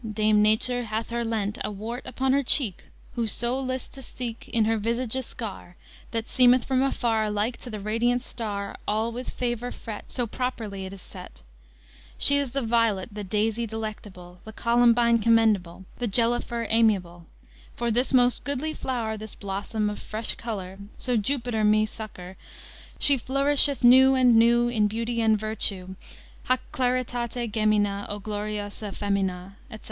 Dame Nature hath her lent A warte upon her cheke, Who so lyst to seke In her vyságe a skar, That semyth from afar Lyke to the radyant star, All with favour fret, So properly it is set. She is the vyolet, The daysy delectáble, The columbine commendáble, The jelofer amyáble; For this most goodly floure, This blossom of fressh coloúr, So Jupiter me succoúr, She florysheth new and new In beaute and vertew; _Hac claritate gemina, O gloriosa femina, etc.